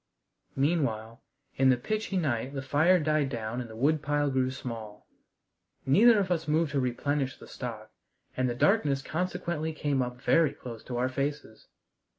Meanwhile, in the pitchy night the fire died down and the woodpile grew small. Neither of us moved to replenish the stock, and the darkness consequently came up very close to our faces.